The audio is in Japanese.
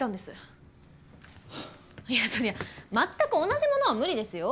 そりゃ全く同じものは無理ですよ。